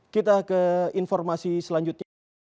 kita ke informasi selanjutnya